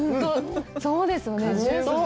そうですね。